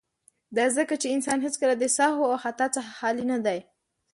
، دا ځکه چې انسان هيڅکله د سهو او خطا څخه خالي نه وي.